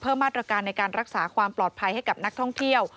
มาตรการในการรักษาความปลอดภัยให้กับนักท่องเที่ยว